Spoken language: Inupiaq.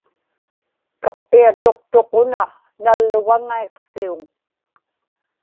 kappiatuqtuq una, nallugaŋaiqsiuŋ